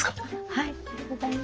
はい。